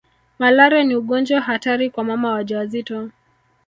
Malaria ni ugonjwa hatari kwa mama wajawazito